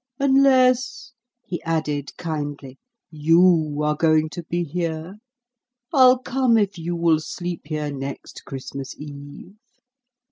Unless," he added kindly, "YOU are going to be here. I'll come if you will sleep here next Christmas Eve."